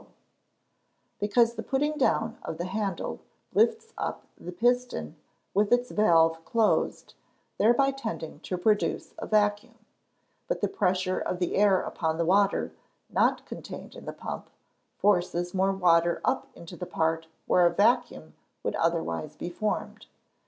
_ Because the putting down of the handle lifts up the piston with its valve closed, thereby tending to produce a vacuum; but the pressure of the air upon the water not contained in the pump, forces more water up into the part where a vacuum would otherwise be formed.